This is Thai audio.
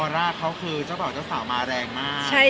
ร่าเขาคือเจ้าบ่าวเจ้าสาวมาแรงมาก